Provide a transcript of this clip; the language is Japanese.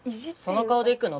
その顔で行くの？